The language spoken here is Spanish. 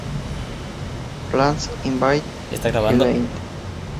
In "Plants Invade the Land.